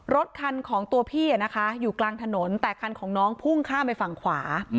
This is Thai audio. รถคันของตัวพี่อยู่กลางถนนแต่คันของน้องพุ่งข้ามไปฝั่งขวา